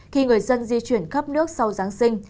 khi người dân di chuyển cấp nước sau giáng sinh